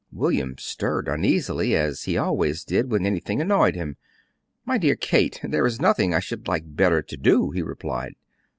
William stirred uneasily as he always did when anything annoyed him. "My dear Kate, there is nothing I should like better to do," he replied.